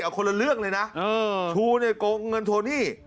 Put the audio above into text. เอาคนละเรื่องเลยนะชูเนี่ยโกงเงินโทนี่